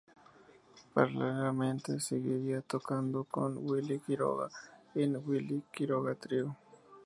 Paralelamente seguiría tocando con Willy Quiroga en "Willy Quiroga Trío".